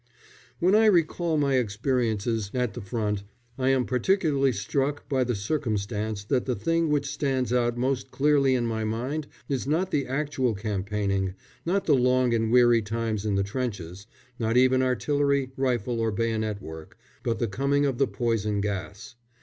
] When I recall my experiences at the front, I am particularly struck by the circumstance that the thing which stands out most clearly in my mind is not the actual campaigning, not the long and weary times in the trenches, not even artillery, rifle, or bayonet work, but the coming of the poison gas.